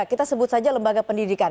kita sebut saja lembaga pendidikan